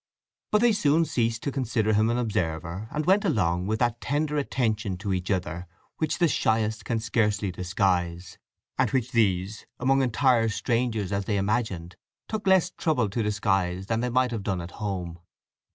But they soon ceased to consider him an observer, and went along with that tender attention to each other which the shyest can scarcely disguise, and which these, among entire strangers as they imagined, took less trouble to disguise than they might have done at home.